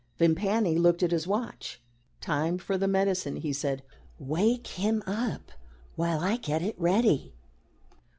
Vimpany looked at his watch. "Time for the medicine," he said. "Wake him up while I get it ready."